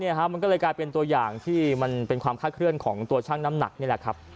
มันก็เลยกลายเป็นตัวอย่างที่มันเป็นความคาดเคลื่อนของตัวช่างน้ำหนักนี่แหละครับ